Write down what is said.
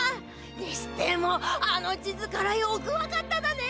にしてもあの地図からよく分かっただね